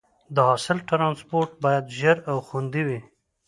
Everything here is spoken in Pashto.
د حاصل ټرانسپورټ باید ژر او خوندي وي.